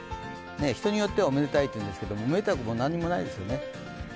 人によってはおめでたいって言うんですけどおめでたくも何にもないですよね。